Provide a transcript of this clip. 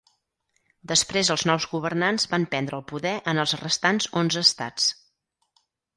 Després els nous governants van prendre el poder en els restants onze Estats.